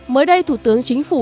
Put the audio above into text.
mới đây thủ tướng chính phủ